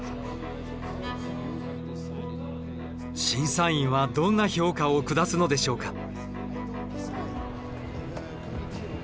審査員はどんな評価を下すのでしょうか。